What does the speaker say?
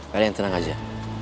kalian tenang aja